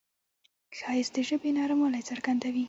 ښایست د ژبې نرموالی څرګندوي